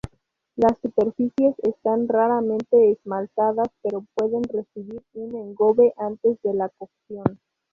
Las superficies están raramente esmaltadas pero pueden recibir un engobe antes de la cocción.